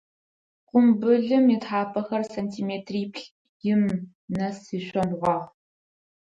Къумбылым ытхьапэхэр сантиметриплӏ-им нэс ишъомбгъуагъ.